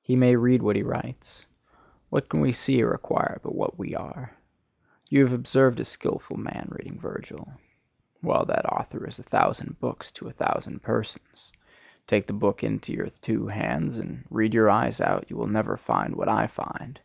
He may read what he writes. What can we see or acquire but what we are? You have observed a skilful man reading Virgil. Well, that author is a thousand books to a thousand persons. Take the book into your two hands and read your eyes out, you will never find what I find.